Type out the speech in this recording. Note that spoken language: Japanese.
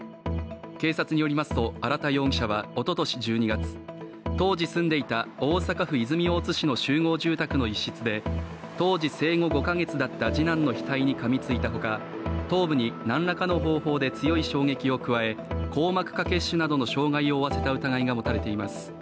警察によりますと荒田容疑者はおおとし１２月当時住んでいた大阪府泉大津市の集合住宅の一室で当時生後５か月だった次男の額にかみついたほか頭部になんらかの方法で強い衝撃を加え硬膜下血腫などの傷害を負わせた疑いが持たれています。